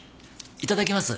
いただきます。